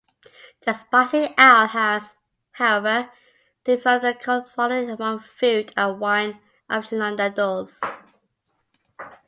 The spicy ale has, however, developed a cult following among food and wine aficionados.